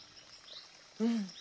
うん。